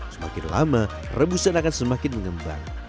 semakin lama rebusan akan semakin mengembang